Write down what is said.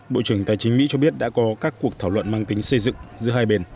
bộ trưởng tài chính mỹ cho biết đã có các cuộc thảo luận mang tính xây dựng giữa hai bên